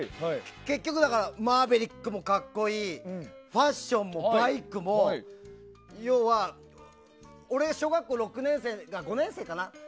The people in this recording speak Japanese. マーヴェリックも格好いいファッションもバイクも要は俺、小学校６年生５年生かな。